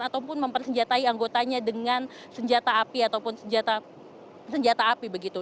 ataupun mempersenjatai anggotanya dengan senjata api ataupun senjata api begitu